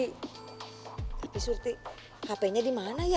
tapi surti hapenya dimana ya